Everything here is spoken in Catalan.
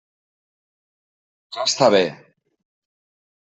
Ja està bé.